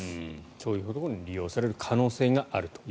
そういったところに利用される可能性があると。